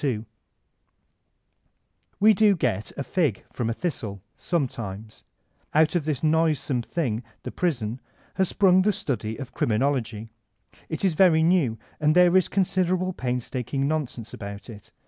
CklliB AND PUKISHMEMT 185 We do get a fig from a thistle — sometimes I Out of this noisome thing, the prison, has spnmg the study of criminology. It is very new, and there is considerable painstaking nonsense about it.